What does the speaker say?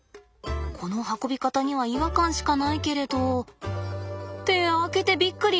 この運び方には違和感しかないけれど。って開けてびっくり！